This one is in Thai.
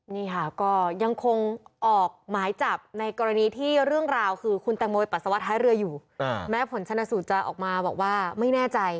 นี่ค่ะก็ยังคงออกหมายจับในกรณีที่เรื่องราวคือคุณแตงโมปัสสาวะท้ายเรืออยู่แม้ผลชนะสูตรจะออกมาบอกว่าไม่แน่ใจ